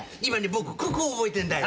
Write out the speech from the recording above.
僕九九覚えてんだよ。